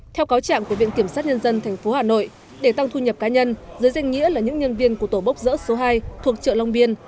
theo cáo trạng của viện kiểm sát nhân dân tp hà nội để tăng thu nhập cá nhân dưới danh nghĩa là những nhân viên của tổ bốc dỡ số hai thuộc chợ long biên